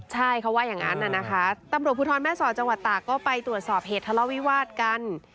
ใช่เขาว่าอย่างนั้นนะคะตำรวจภูทรแม่สอดจังหวัดตากก็ไปตรวจสอบเหตุทะเลาวิวาสกัน